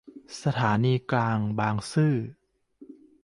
สถานีกลางบางซื่อ